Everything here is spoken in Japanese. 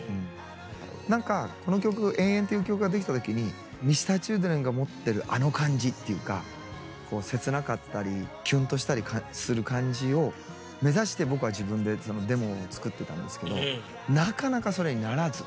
何かこの曲「永遠」っていう曲が出来た時にＭｒ．Ｃｈｉｌｄｒｅｎが持ってるあの感じっていうか切なかったりキュンとしたりする感じを目指して僕は自分でそのデモを作ってたんですけどなかなかそれにならず。